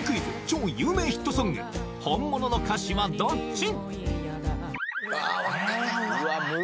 超有名ヒットソング本物の歌詞はどっち？